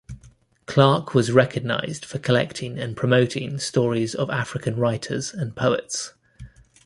Clarke was recognized for collecting and promoting stories of African writers and poets.